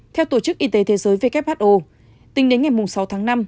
theo tổ chức y tế thế giới who tính đến ngày sáu tháng năm